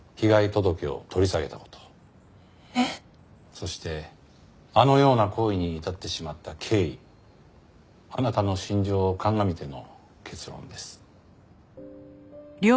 そしてあのような行為に至ってしまった経緯あなたの心情を鑑みての結論です。